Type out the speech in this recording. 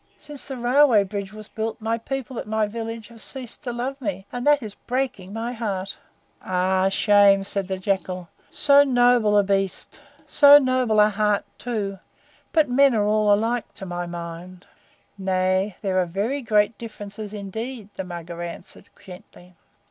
Since the railway bridge was built my people at my village have ceased to love me; and that is breaking my heart." "Ah, shame!" said the Jackal. "So noble a heart, too! But men are all alike, to my mind." "Nay, there are very great differences indeed," the Mugger answered gently.